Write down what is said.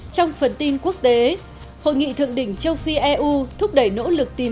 trong phần tin quốc tế hội nghị thượng đỉnh châu phi eu thúc đẩy nỗ lực tìm